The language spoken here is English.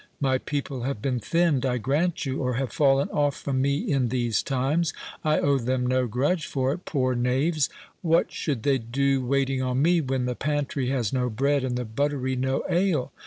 My people have been thinned, I grant you, or have fallen off from me in these times—I owe them no grudge for it, poor knaves; what should they do waiting on me when the pantry has no bread and the buttery no ale?